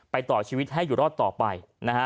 ไปต่อชีวิตให้อยู่รอดต่อไป